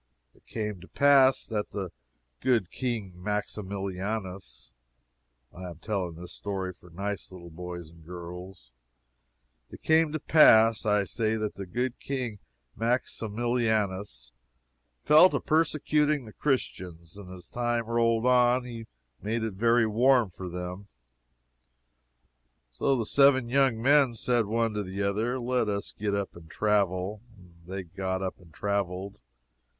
It came to pass that the good King Maximilianus, (I am telling this story for nice little boys and girls,) it came to pass, I say, that the good King Maximilianus fell to persecuting the Christians, and as time rolled on he made it very warm for them. So the seven young men said one to the other, let us get up and travel. And they got up and traveled.